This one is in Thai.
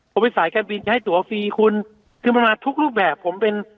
ผมเป็นสายแคมป์บินให้ตั๋วฟรีคุณคือประมาณทุกรูปแบบผมเป็น